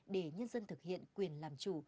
để nhân dân thực hiện quyền làm chủ